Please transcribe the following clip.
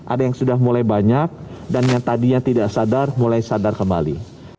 ada yang sudah mulai banyak dan yang tadinya tidak sadar mulai sadar kembali